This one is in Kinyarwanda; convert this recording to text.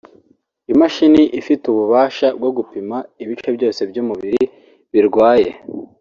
imashine ifite ububasha bwo gupima ibice byose by’umubiri birwaye